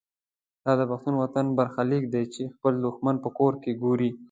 دا د پښتون وطن برخلیک دی چې خپل دښمن په کور کې ګوري.